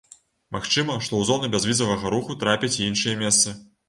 Магчыма, што ў зону бязвізавага руху трапяць і іншыя месцы.